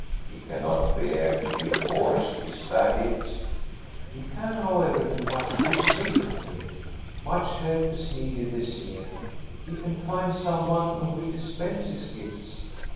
" He cannot bear to be forced, is that it? "" He can however do much good secretly. Much help is needed this year. He can find some one who will dispense his gifts.